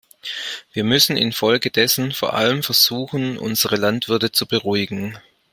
Wir müssen infolgedessen vor allem versuchen, unsere Landwirte zu beruhigen.